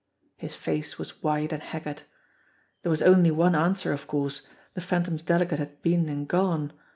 His face was white and haggard. There was only one answer of course the Phantom's delegate had been and gone.